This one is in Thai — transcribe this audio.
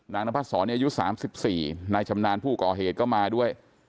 นพัดศรอายุ๓๔นายชำนาญผู้ก่อเหตุก็มาด้วย